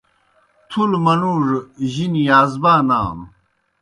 تُھلوْ منُوڙوْ جِنیْ یازبا نانوْ۔